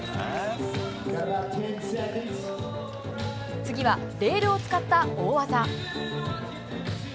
次はレールを使った大技。